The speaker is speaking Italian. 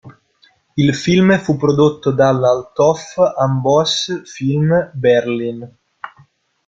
Il film fu prodotto dalla Althoff-Ambos-Film, Berlin.